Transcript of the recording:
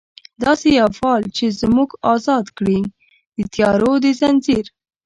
داسي یو فال چې موږ ازاد کړي، د تیارو د ځنځیر